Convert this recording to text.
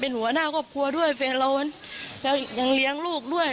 หัวหน้าครอบครัวด้วยแฟนเราแล้วยังเลี้ยงลูกด้วย